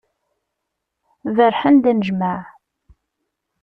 Berrḥen-d anejmaε.